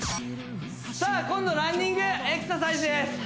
さあ今度ランニングエクササイズです